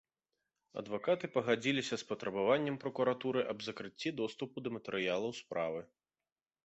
Адвакаты пагадзіліся з патрабаваннем пракуратуры аб закрыцці доступу да матэрыялаў справы.